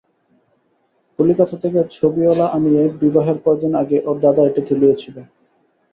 কলকাতা থেকে ছবিওয়ালা আনিয়ে বিবাহের কয়দিন আগে ওর দাদা এটি তুলিয়েছিল।